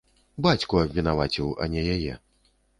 Бацьку абвінаваціў, а не яе.